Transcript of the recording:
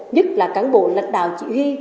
nhất là cán bộ lãnh đạo chỉ huy